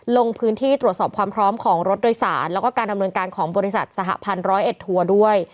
ลงพื้นที่ตรวจสอบความพร้อมของรถโดยสารแล้วก็การดำเนินการของบริษัทสหพันธร้อยเอ็ดทัวร์ด้วย